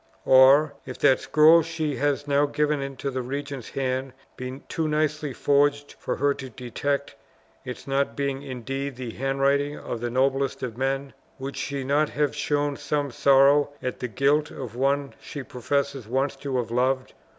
Or, if that scroll she has now given into the regent's hand be too nicely forged for her to detect its not being indeed the handwriting of the noblest of men, would she not have shown some sorrow at the guilt of one she professes once to have loved?